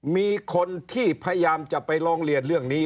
มีคนที่พยายามจะไปร้องเรียนเรื่องนี้